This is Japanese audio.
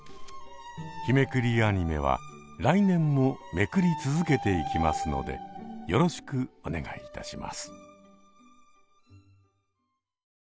日めくりアニメは来年もめくり続けていきますのでよろしくお願い致します。